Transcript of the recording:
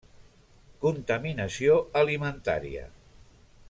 Contaminació alimentària.